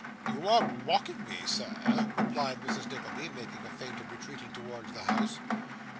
'You are mocking me, sir,' replied Mrs. Nickleby, making a feint of retreating towards the house.